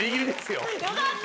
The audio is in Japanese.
よかった！